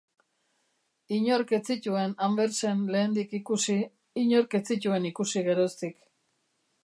Inork ez zituen Anversen lehendik ikusi, inork ez zituen ikusi geroztik.